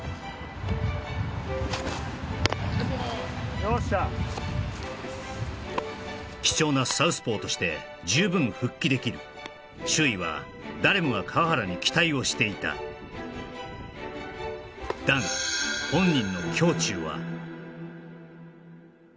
よっしゃ貴重なサウスポーとして十分復帰できる周囲は誰もが川原に期待をしていただがなと思って思って